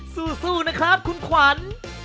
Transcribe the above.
สู้นะครับคุณขวัญ